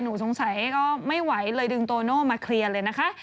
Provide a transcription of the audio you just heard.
หนูสงสัยก็ไม่ไหวเลยดึงโตโน่มาเคลียร์เลยนะคะ